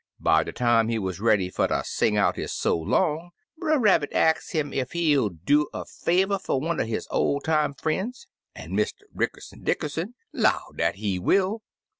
By de time he wuz ready fer ter sing out his so long Brer Rabbit ax *im ef he'll do er favor fer one er his ol' time frien's, an' Mr. Ricker son Dickerson 'low dat he will.